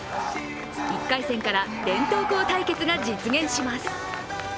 １回戦から伝統校対決が実現します。